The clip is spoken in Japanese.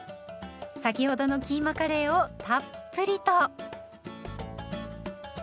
先ほどのキーマカレーをたっぷりと。